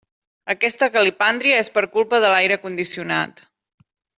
Aquesta calipàndria és per culpa de l'aire condicionat.